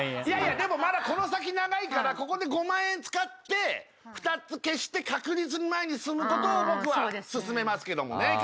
いやいやでもまだこの先長いからここで５万円使って２つ消して確実に前に進むことを僕は勧めますけどもね